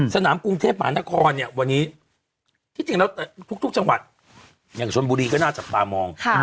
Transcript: สนามกรุงเทพหมานครทุกจังหวัดอย่างชนบุรีก็น่าจะปลามอง